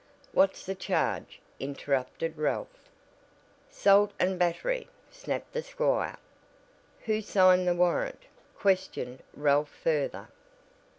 "What's the charge?" interrupted Ralph. "'Sault an' batt'ry," snapped the squire. "Who signed the warrant?" questioned Ralph further.